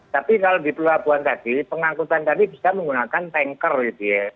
tapi kalau di pelabuhan tadi pengangkutan tadi bisa menggunakan tanker gitu ya